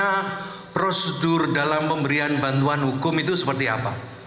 karena prosedur dalam pemberian bantuan hukum itu seperti apa